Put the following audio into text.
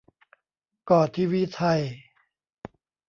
ก็ ทีวีไทย